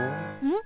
ん？